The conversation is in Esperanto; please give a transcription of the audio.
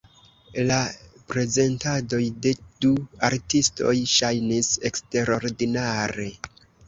La prezentadoj de du artistoj ŝajnis eksterordinare.